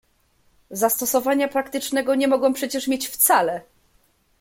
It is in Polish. "Zastosowania praktycznego nie mogą przecież mieć wcale."